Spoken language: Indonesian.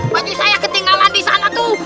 waktu saya ketinggalan di sana tuh